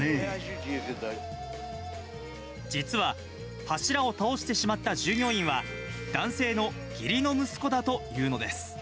実は、柱を倒してしまった従業員は、男性の義理の息子だというのです。